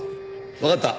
わかった。